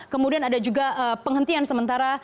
kemudian ada juga penghentian sementara